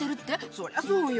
そりゃそうよ。